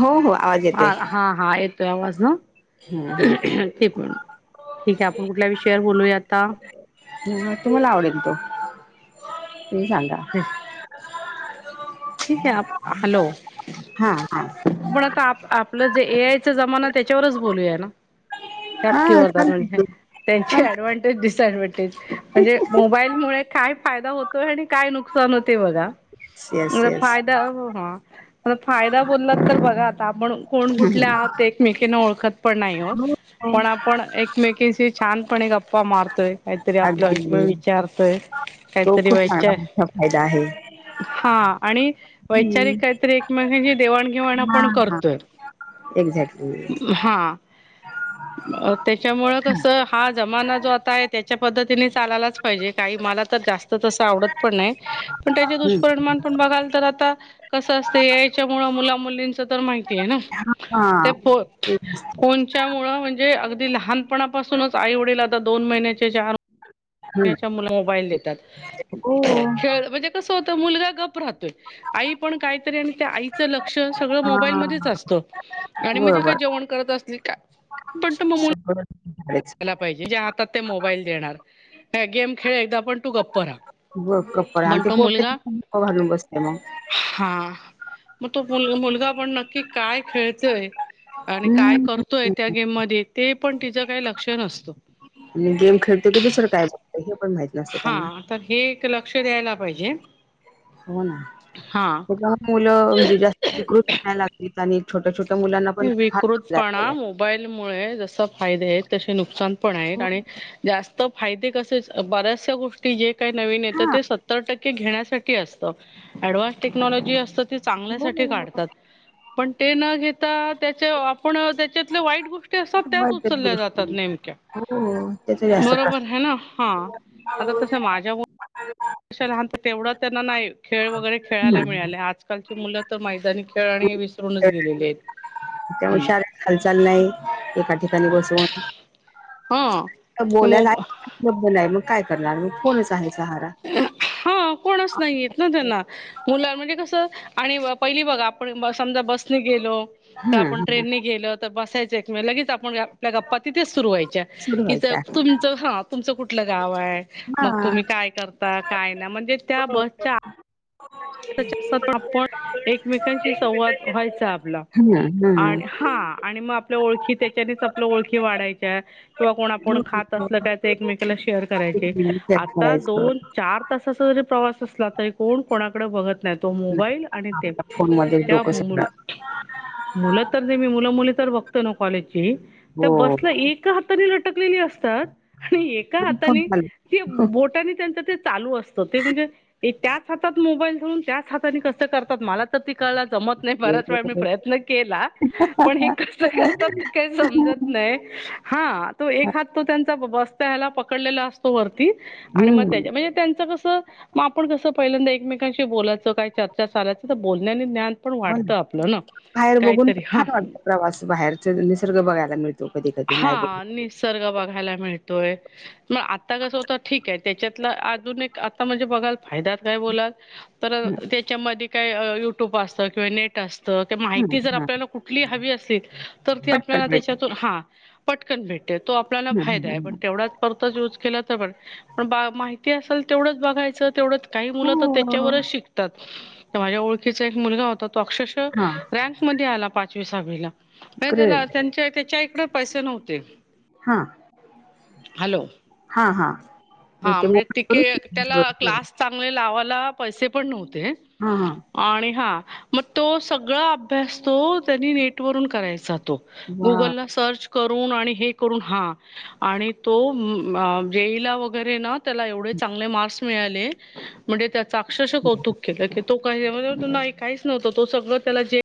हो हो. आवाज हा येतोय हा हा येतोय आवाज हं. हम्म हम्म ते पण ठीक आहे, आपण कुठल्या विषयावर बोलूया आता? ह तुम्हाला आवडेल तो? तुम्ही सांगा? हम [unintelligible] ठीक आहे, आप हॅलो हा हा आपण आता आप आपलं जे ए आय चा जमाना त्याच्यावरच बोलूया ना. हा श्यापकी वरदान चालते म्हणजे त्यांची चालते ॲडवन ते डिसएडव्हनटेज म्हणजे मोबाईल मुळे काय फायदा होतोय आणि काय नुकसान होते बघा. येस म येस फायदा, म फायदा बोललात तर बघा आता आपण कोण कुठल्या हम्म आहात एकमेकीना ओळखत पण नाही आहोत पण आपण एकमेकीशी छानपणे गप्पा गप्पा मारतोय कायतरी अगदी आपण विचारतोय, तो कायतरी खूप चांगला मोठा फायदा आहे वैचारिक हा आणि वैचारिक काहीतरी एकमेकींशी देवाण घेवाण हा आपण हा करतोय. एक्झॅक्टली. हा. त्याच्यामुळ कसं हा जमाना जो आता आहे त्याच्या पद्धतीने चालायलाच पाहिजे काही मला तर जास्त तस आवडत पण नाही पण त्याचे हम्म दुष्परिणाम आपण बघाल तर आता कसं असते याच्यामुळे मुला मुलींच तर माहिती ते आहे ना हा ते ते असत फोन च्यामुळे म्हणजे अगदी लहान पणा पासून आई, वडील म्हणजे अगदी दोन महिन्याच्या चार [inaudible] त्याच्याकडे मोबाईल देतात, हो खेळ म्हणजे कस होत मुलगा गप्प राहतोय आई पण कायतरी आणि त्या आईचं लक्ष सगळ हा मोबाईलमध्येच असत आणि जे काय बरोबर जेवण करत असतील काय तसं मी मुला ले [unintelligible] दिला पाहिजे जे हातात ते मोबाईल देणार गेम खेळ एकदा पण तू गप्प रहा. गप्पा रहा आणि ते मोठे पण डोके घालून बसते मग. मग तो मुलगा पण नक्की काय खेळतोय आणि काय करतोय हम्म त्या गेममध्ये ते पण तिचं काही लक्ष नसत. गेम खेळतो की दुसरं काय बघतो, हे पण माहिती नाही. हा तर हे एक लक्ष द्यायला पाहिजे. हो ना, हा लहान मुलं म्हणजे जास्त विकृत व्हायला लागलीत आणि छोट्या छोट्या मुलांना पण हाच प्लॅन विकृतपणा केलाय. मोबाईलमुळे जसे फायदे आहेत. तसे नुकसान पण आहे हो. आणि जास्त फायदे कसे बऱ्याचशा गोष्टी जे काही नवीन येतात, हां. ते सत्तर टक्के घेण्यासाठी असतं. अडव्हान्स टेक्नॉलॉजी असत ते चांगल्यासाठी हो. काढतात. पण ते न घे आता त्याच्या आपण त्याच्यातल्या वाईट गोष्टी असतात, त्याच वाईटच उचलल्या जातात गोष्टी नेमक्या. हो त्याचा जास्त प्रकार बरोबर आहे ना, हा. आता तस माझ्या [unintelligible] शहरात तेवढा त्यांना नाही, खेळ वगैरे खेळायला मिळाल्यात. आकालची मुलं तर, मैदानी खेळ आणि हे विसरूनच गेलेली आहेत. त्यामुळे हम्म शारीरिक हालचाल नाही. एका ठिकाणी बसून हा ते मो बोलायला [unintelligible] नाही, मग काय करणार मग फोनच आहे सहारा. हा कोणच नाही येत ना त्याना. मुल म्हणजे कस आणि पहिली बघा, आपण समजा बस ने गेलो. हं आपण हं ट्रेननी गेलत त बसायच, लगेच आप आपल्या गप्पा तिथेच सुरू व्हायच्या, सुरू कि व्हायचं आहे. तुम च ह कुठल गाव हाय? हां. तुम्ही काय करता? काय ना म्हणजे त्या बसच्या आपण आत पण आपण एक विषयाची एकमेकांशी संवाद सुरवात व्हायचा आपला हा आणि हा. हा आणि मग आपल्या ओळखी त्याच्यानेच, आपल्या ओळखी वाढायच्या. किंवा कोण आपण खात असल, काय ते एकमेकला शेअर करायचे. आता दोन, करायचं चार तासाचा जरी प्रवास असला, तरी कोण कोणाकडे बघत नाहीत. तो मोबाईल आणि ते. फोनमध्येच त्या डोकं सगळं मुल मुलं तरे मी मु मुली तर बघतो ना, कॉलेजची तर हो. बसला एक हात तरी लटकलेली असतात आणि एका फोन हाताने चालू ते बोटाने त्यांच ते चालू अस त म्हणजे त्याच हातात मोबाईल धरून, त्याच हाताने कस करतात? मला तर त ते कळ जमत नाही, बऱ्याच वेळा मी प्रयत्न केला. पण हे कस करतात, काही समजत नाही. हा तो एक हात तो त्यांचा बाबा असतो त्या ह्याला पकडलेला असतो वरती आणि मग त्या हम्म म्हणजे त्यांच कस म आपण कसं पहिल्यांदा एकमेकांशी बोलायचो, काय चर्चा चालायचं तर, बोलण्याने ज्ञान पण वाढतं आपलं ना. बाहेर बघून काहीतरी हां छान वाटत. प्रवास बाहेरच निसर्ग बघायला मिळतो, कधी कधी नाही बोलत हा निसर्ग बघायला मिळतोय. मग आत्ता कसं होत, ठीक आहे. त्याच्यातला आधुनिक आता म्हणजे बघाल, फायद्यात काय बोलाल तर हा त्याच्यामध्ये काय युट्यूब असतं किंवा नेट अस त. ते माहिती जर हा आपल्याला कुठली हवी असेल, तर त पटकन आपल्या भेट त्याच्या तून हा. पटकन भेटते. तो आपल्याला हं, फायदा हं, आहे, पण हं. तेवढाच करता यूज केला तर, पण पण माहिती असेल तेवढंच बघायचं, तेव काही मुलं तर हो टिकतात. माझ्या ओळखीचा एक मुलगा होता. तो अक्षरशा हा रँक मध्ये आला पाच वी, सहावीला. ते त्याला ग्रेट त्याच्या आईकडे पैसे नव्हते. हा हॅलो. हा हा. मग हा ते म्हणजे मोबाईल करू तिके त्याला शकतो क्लास चांगले लावायला, पैसे पण नव्हते हा हा. आणि हा म तो सगळा अभ्यास तो, त्यांनी नेट वरून करायचा. तो वा गुगलला सर्च. करून आणि हे करून हा आणि तो जय ला. तर हे ना त्याला एवढे चांगले मार्क्स मिळाले म्हणजे त्याचा अक्षरशः कौतुक केल. तो का काहीच नव्हतं तो सगळ त्याला जे.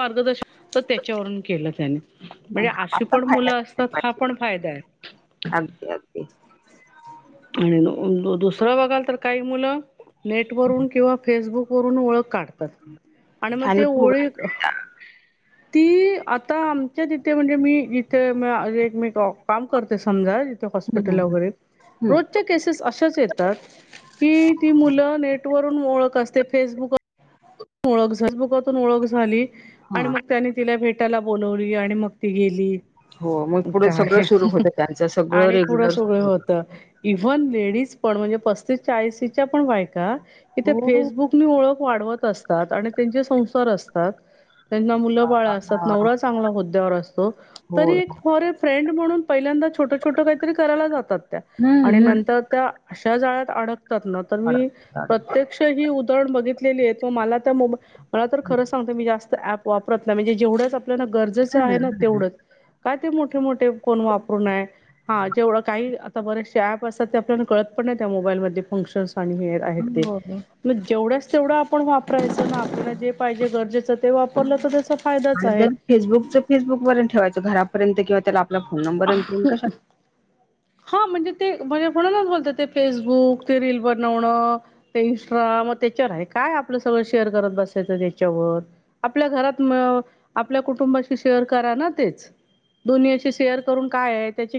मार्गदर्शन तर त्याच्यावरून केलं त्याने म्हणजे आशी आता पण फायदा मुलं अस. तर केला हा पाहिजे पण फायदा आहे. अगदी अगदी. आणि नो दु दु दुसरं बघाल तर काही मुलं नेटवरून किंवा फेसबुक पोरून ओळख काढतात आणि मग ते ओळी ती आता आमच्या तिथे म्हणजे मी जिथे म्या एक मे काव काम करते समजा जिथे हॉस्प पिटलला हम्म वगैरे रोजच्या केसेस अशाच येतात की ती मुलं नेट वरून ओळख असते फेसबुक ह. ओळख झाली. मगा त्यातून ओळख झाली आणि हा मग त्यानी तिला भेटायला बोलवली आणि मग ती गेली. हो मग पुढे काय सगळं हे सुरू होतं त्यांचं सगळं आणि पुढं रेग्युलर सुगळ सुरू होत. इव्हन लेडीज पण म्हणजे पस्तीस चाळीशी च्या पण बायका इथे हो फेसबुक तुम्ही ओळख वाढवत असतात आणि त्यांचे संसार असतात त्यांना मुलं बाळ असतात हां. नवरा चांगला होद्द्यावर असतो तरी होय. एक फॉरे फ्रेंड म्हणून पहिल्यांदा छोटं छोटं काहीतरी करायला जातात त्या हम्म आणि हम्म. नंतर त्या अशा जाळ्यात अडकतात ना तर मी अडक अडक. प्रत्यक्ष ही उदारण बघितलेली आहेत ओ मला त मोब मला तर खरंच सांगते मी जास्त ऍप वापरत नाही म्हणजे जेव्हढच आपल्या गर जस हम्म आहे ना तेवढंच, काय ते मोठे मोठे फोन वापरूनाय. हा जेवढं काही आता बरेचसे ऍप असतात ते आपल्याला कळत पण नाही त्या मोबाईल मधले फंक्शन्स आणि हे. आहेत ते, हम्म. हो मग जेव्हढ्याच तेवढं आ पण वापरायचं ना आपल्या जे पाहिजे गरजेचं ते वापरलं तर तेच आन जर फेसबुकच फसबुकवरच ठेवायचं घरापर्यंत किंवा त्याला आपला फोन नंबरंत देऊन कशा हा म्हणजे ते म्हजे कोणालाच बोलतात ते फेसबुक ते रील बनवणं ते इन्स्ट्रा मग त्याच्यावर आहे काय आपलं सगळं शेअर करत बसायचं त्याच्यावर आपल्या घरात म आपल्या कुटुंबाशी शेअर करा ना तेच. दुनियाशी शेअर करून काय आहे त्याची